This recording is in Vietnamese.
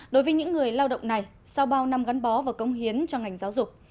đối với những người lao động này sau bao năm gắn bó và công hiến cho ngành giáo dục